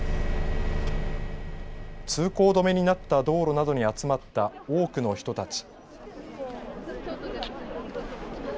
通行止めになった道路などに集まった多くの人たち。